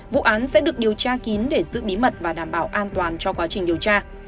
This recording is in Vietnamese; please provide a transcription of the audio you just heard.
vụ án sẽ được điều tra kín để giữ bí mật và đảm bảo an toàn cho quá trình điều tra